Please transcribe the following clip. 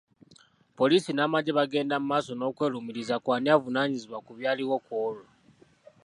Poliisi n’amagye bagenda maaso n’okwerumiriza ku ani avunaanyizibwa ku byaliwo ku olwo.